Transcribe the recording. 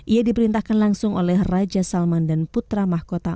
ia diperintahkan langsung oleh raja salman dan putra mahkota